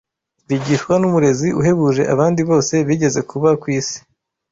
bigishwa n’Umurezi uhebuje abandi bose bigeze kuba ku isi.